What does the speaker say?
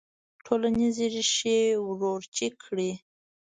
ټولنیزې ریښې وروچې کړي.